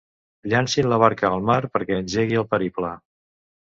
Llancin la barca al mar perquè engegui el periple.